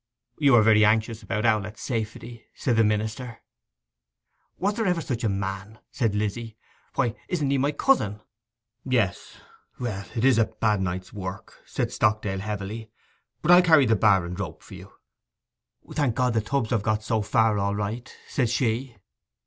'You are very anxious about Owlett's safety,' said the minister. 'Was there ever such a man!' said Lizzy. 'Why, isn't he my cousin?' 'Yes. Well, it is a bad night's work,' said Stockdale heavily. 'But I'll carry the bar and rope for you.' 'Thank God, the tubs have got so far all right,' said she.